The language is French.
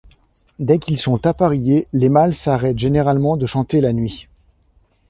Dès qu'ils sont appariés, les mâles s'arrêtent généralement de chanter la nuit.